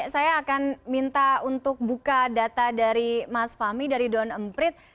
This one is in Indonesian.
saya akan minta untuk buka data dari mas fahmi dari drone emprit